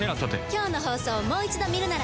今日の放送をもう一度見るなら。